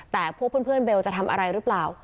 แต่พวกเพื่อนเบลจะทำอะไรหรือเปล่า